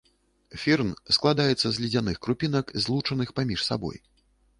Фірн складаецца з ледзяных крупінак, злучаных паміж сабой.